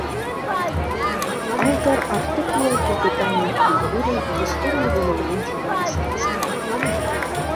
Аўтар артыкулаў пра пытаннях культуры, гісторыі выяўленчага мастацтва.